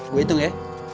gue hitung ya